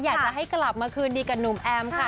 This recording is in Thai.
อยากจะให้กลับมาคืนดีกับหนุ่มแอมค่ะ